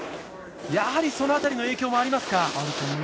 やはり、その辺りの影響もありますか。